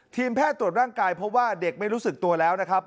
แพทย์ตรวจร่างกายเพราะว่าเด็กไม่รู้สึกตัวแล้วนะครับ